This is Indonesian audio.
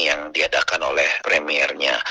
yang diadakan oleh premiernya